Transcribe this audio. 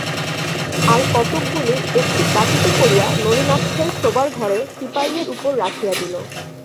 আর-কতকগুলি একটি বাটিতে করিয়া নলিনাক্ষের শোবার ঘরে টিপাইয়ের উপর রাখিয়া দিল।